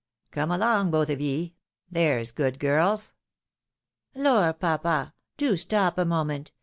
Come along, both of ye, there's good girW." " Lor, papa ! Do stopj'a moment.